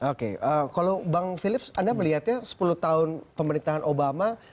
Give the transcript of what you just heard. oke kalau bang philips anda melihatnya sepuluh tahun pemerintahan obama